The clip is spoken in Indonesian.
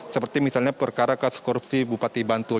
seperti misalnya perkara kasus korupsi bupati bantul